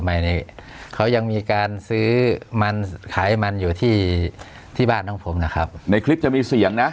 นี้เขายังมีการซื้อมันขายมันอยู่ที่ที่บ้านของผมนะครับในคลิปจะมีเสียงนะ